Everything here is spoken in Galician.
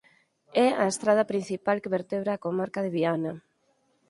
É a estrada principal que vertebra a Comarca de Viana.